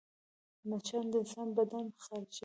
مچان د انسان بدن خارشوي